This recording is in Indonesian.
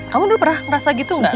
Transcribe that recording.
kamu dulu pernah merasa gitu nggak